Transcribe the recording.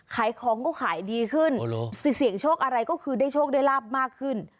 ขายของก็ขายดีขึ้นจะเสี่ยงโชคอะไรก็คือได้โชคได้ลาบมากขึ้น